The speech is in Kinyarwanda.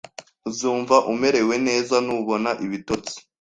Uzumva umerewe neza nubona ibitotsi